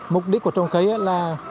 mục đích của trồng cây là